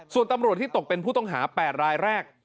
ส่วนตำรวจที่ตกเป็นผู้ต้องหา๘รายแรก